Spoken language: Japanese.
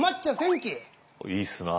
いいっすな。